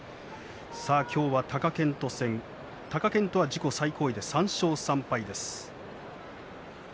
今日は貴健斗戦、貴健斗は自己最高位で３勝３敗です。